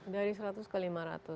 dari seratus ke lima ratus